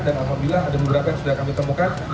dan apabila ada beberapa yang sudah kami temukan